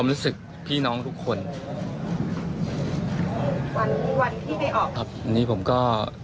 อันนี้ผมก็